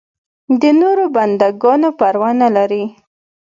د نورو بنده ګانو پروا نه لري.